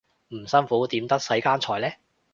唔辛苦點得世間財呢